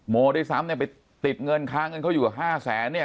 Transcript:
โมด้วยซ้ำเนี่ยไปติดเงินค้าเงินเขาอยู่ห้าแสนเนี่ย